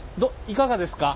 いかがですか？